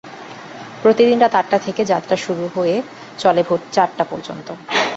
প্রতিদিন রাত আটটা থেকে যাত্রা শুরু হয়ে চলে ভোর চারটা পর্যন্ত।